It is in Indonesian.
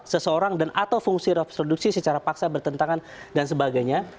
seseorang dan atau fungsi reproduksi secara paksa bertentangan dan sebagainya